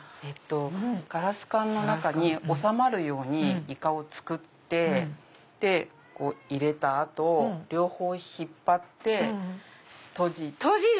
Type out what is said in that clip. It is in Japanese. ガラス管の中に収まるようにイカを作って入れた後両方引っ張って閉じる。